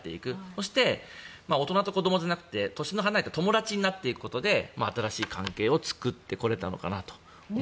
そして、大人と子どもじゃなくて年の離れた友達になっていくことで新しい関係を作ってこれたのかなと。